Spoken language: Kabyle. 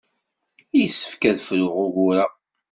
Yessefk ad fruɣ ugur-a.